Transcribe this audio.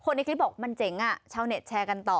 ในคลิปบอกมันเจ๋งชาวเน็ตแชร์กันต่อ